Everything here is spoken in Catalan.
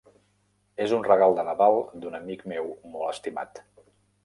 És un regal de Nadal d'un amic meu molt estimat.